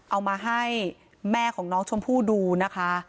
เอามาให้แม่ของน้องชมพู่ดูนะคะ